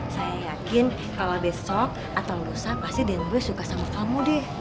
saya yakin kalau besok atau besok pasti den boy suka sama kamu deh